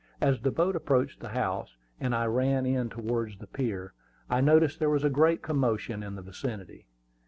As the boat approached the house, and I ran in towards the pier, I noticed there was a great commotion in the vicinity.